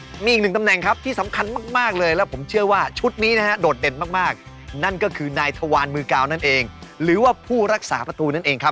มีอีกหนึ่งตำแหน่งครับที่สำคัญมากเลยแล้วผมเชื่อว่าชุดนี้นะฮะโดดเด่นมากนั่นก็คือนายทวารมือกาวนั่นเองหรือว่าผู้รักษาประตูนั่นเองครับ